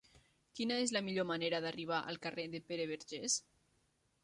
Quina és la millor manera d'arribar al carrer de Pere Vergés?